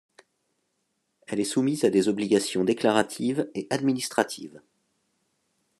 Elle est soumise à des obligations déclaratives et administratives.